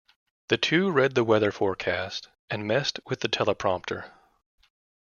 The two read the weather forecast and messed with the teleprompter.